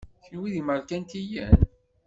Kenwi d imerkantiyen?